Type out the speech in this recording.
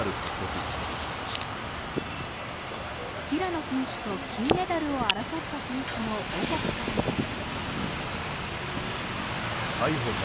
平野選手と金メダルを争った選手の母国からも。